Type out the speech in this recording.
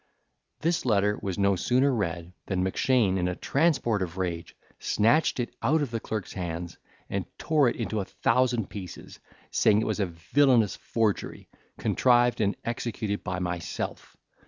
This letter was no sooner read, than Mackshane, in a transport of rage, snatched it out of the clerk's hands, and tore it into a thousand pieces, saying, it was a villainous forgery, contrived and executed by myself.